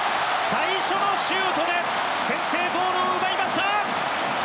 最初のシュートで先制ゴールを奪いました！